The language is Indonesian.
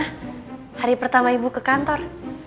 hari pertama ibu ke kantor